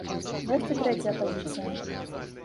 Ёсць і трэцяя пазіцыя.